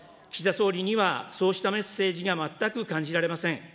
総理にはそうしたメッセージが全く感じられません。